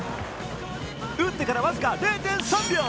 打ってから僅か０．３秒。